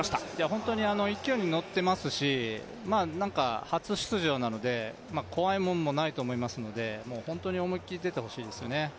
本当に勢いに乗ってますし、初出場なので怖いものもないと思いますので本当に思いっきり出てってほしいですね。